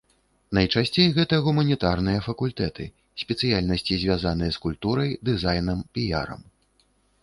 Найчасцей гэта гуманітарныя факультэты, спецыяльнасці, звязаныя з культурай, дызайнам, піярам.